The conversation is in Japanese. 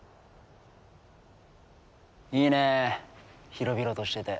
いいね広々としてて。